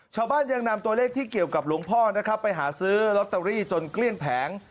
ชาวบ้านยังนำตัวเลขที่เกี่ยวกับหลวงพ่อนะครับไปหาซื้อลอตเตอรี่จนเกลี้ยงแผง